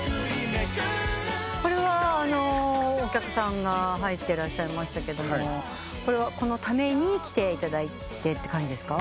これはお客さんが入ってらっしゃいましたけどこれはこのために来ていただいてって感じですか？